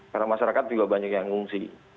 karena masyarakat juga banyak yang ngungsi